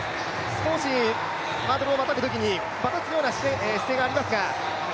少しハードルをまたぐときに、バタつくような感じがありますが。